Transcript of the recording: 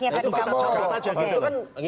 karena setelah kasusnya tadi